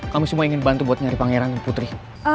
kami semua ingin bantu buat nyari pangeran dan putri